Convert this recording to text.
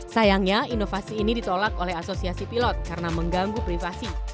sayangnya inovasi ini ditolak oleh asosiasi pilot karena mengganggu privasi